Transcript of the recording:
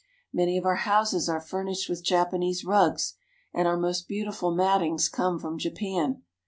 Many of our houses are furnished with Japanese rugs, and our most beautiful mattings come from Japan.